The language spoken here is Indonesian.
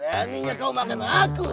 kurangnya kau makan aku